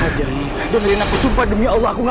ajeng jangan dengerin aku sumpah demi allah aku gak ngaku